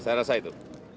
saya rasa itu